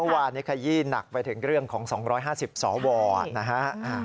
เมื่อวานนี้ขยี้หนักไปถึงเรื่องของ๒๕๐สวนะฮะ